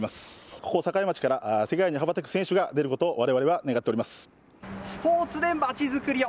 ここ境町から、世界に羽ばたく選手が出ることをわれわれは願ってスポーツで街づくりを。